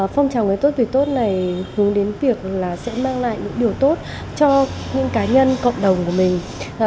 phong trào người tốt việt tốt này hướng đến việc sẽ mang lại những điều tốt cho những cá nhân cộng đồng của mình